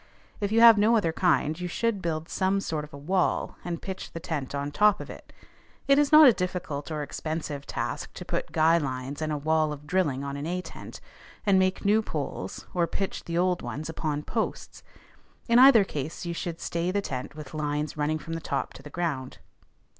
If you have no other kind, you should build some sort of a wall, and pitch the tent on top of it. It is not a difficult or expensive task to put guy lines and a wall of drilling on an A tent, and make new poles, or pitch the old ones upon posts. In either case you should stay the tent with lines running from the top to the ground.